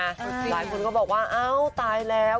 หลายคนก็บอกว่าอ้าวตายแล้ว